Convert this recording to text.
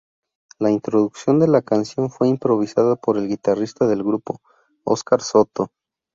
La introducción de la canción fue improvisada por el guitarrista del grupo, Óscar Soto.